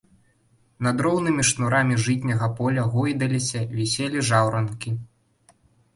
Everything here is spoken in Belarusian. Над роўнымі шнурамі жытняга поля гойдаліся, віселі жаўранкі.